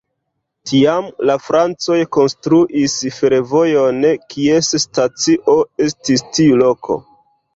Tiam la francoj konstruis fervojon, kies stacio estis tiu loko.